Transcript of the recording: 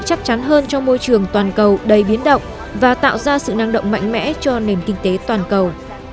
các nước chắc chắn hơn trong môi trường toàn cầu đầy biến động và tạo ra sự năng động mạnh mẽ cho nền kinh tế toàn cầu